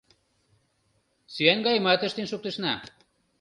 — Сӱан гайымат ыштен шуктышна.